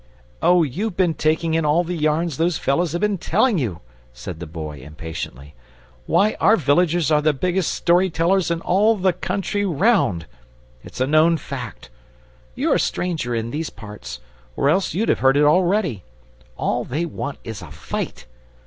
"Oh, you've been taking in all the yarns those fellows have been telling you," said the Boy impatiently. "Why, our villagers are the biggest story tellers in all the country round. It's a known fact. You're a stranger in these parts, or else you'd have heard it already. All they want is a FIGHT.